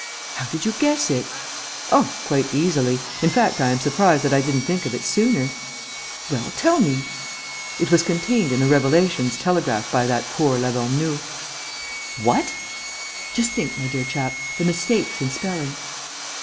"How did you guess it?" "Oh, quite easily! In fact, I am surprised that I didn't think of it sooner." "Well, tell me." "It was contained in the revelations telegraphed by that poor Lavernoux." "What?" "Just think, my dear chap, the mistakes in spelling...."